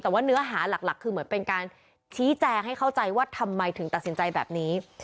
แต่ว่าเนื้อหาหลักคือเหมือนเป็นการชี้แจงให้เข้าใจว่าทำไมถึงตัดสินใจแบบนี้